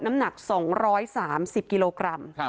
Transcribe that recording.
น้ำหนัก๒๓๐กิโลกรัม